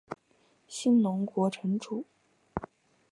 信浓国城主。